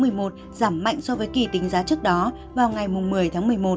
giảm mạnh so với kỳ tính giá trước đó vào ngày một mươi tháng một mươi một